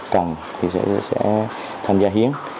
cần thì sẽ tham gia hiến